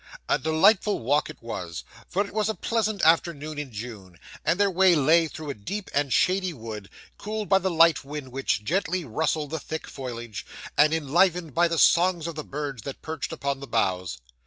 A delightful walk it was; for it was a pleasant afternoon in June, and their way lay through a deep and shady wood, cooled by the light wind which gently rustled the thick foliage, and enlivened by the songs of the birds that perched upon the boughs.